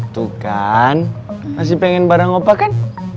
tuh kan masih pengen barang opa kan